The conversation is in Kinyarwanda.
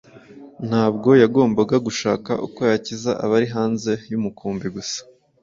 ntabwo yagombaga gushaka uko yakiza abari hanze y’umukumbi gusa,